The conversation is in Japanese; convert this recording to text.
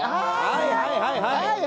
はいはいはいはい。